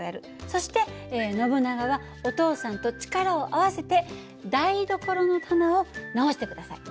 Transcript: そしてノブナガはお父さんと力を合わせて台所の棚を直して下さい。